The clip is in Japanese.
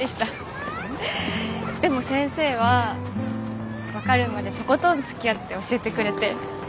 でも先生は分かるまでとことんつきあって教えてくれて。